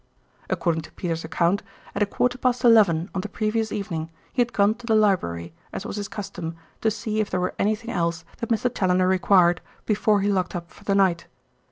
According to Peters' account, at a quarter past eleven on the previous evening he had gone to the library, as was his custom, to see if there were anything else that Mr. Challoner required before he locked up for the night.